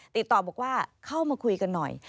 ติดต่อบอกว่าเข้ามาคุยกันหน่อย